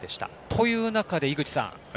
という中で、井口さん。